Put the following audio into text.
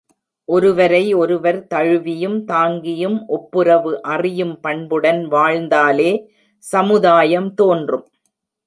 ஒருவரை ஒருவர் தழுவியும் தாங்கியும் ஒப்புரவு அறியும் பண்புடன் வாழ்ந்தாலே சமுதாயம் தோன்றும்.